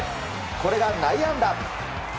これが内野安打。